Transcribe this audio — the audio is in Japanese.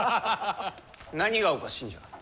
何がおかしいんじゃ。